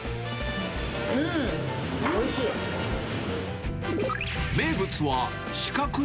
うーん、おいしい！